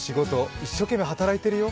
一生懸命働いてるよ。